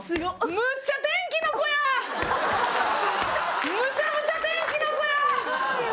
むちゃむちゃ『天気の子』や！